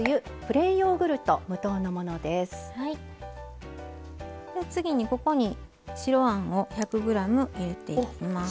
で次にここに白あんを１００ｇ入れていきます。